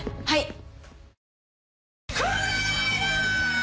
はい。